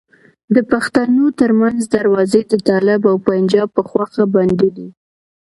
د پښتنو ترمنځ دروازې د طالب او پنجاب په خوښه بندي دي.